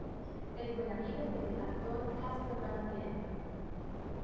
Es buen amigo del actor Casper Van Dien.